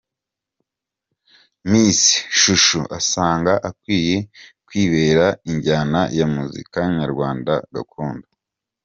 Miss Chouchou asanga akwiye kwihebera injyana ya muzika nyarwanda gakondo.